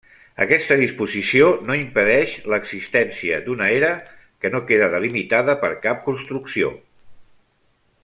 Aquesta disposició no impedeix l'existència d'una era, que no queda delimitada per cap construcció.